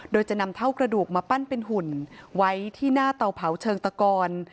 โดยจะนำเท่ากระดูกมาปั้นเป็นหุ่นไว้ที่หน้าเตาเผาเชิงตะกอน